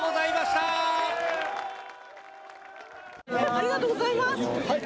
ありがとうございます。